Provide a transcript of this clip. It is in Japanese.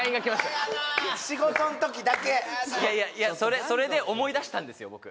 もういやいやいやそれで思い出したんですよ